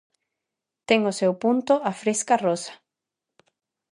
Ten o seu punto a fresca Rosa.